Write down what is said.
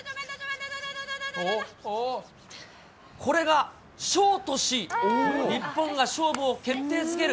これがショートし、日本が勝負を決定づける